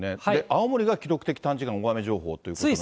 青森が記録的短時間大雨情報ということですが。